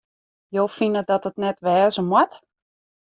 Jo fine dat it net wêze moat?